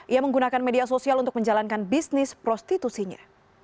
ia menggunakan media sosial untuk menjalankan bisnis prostitusinya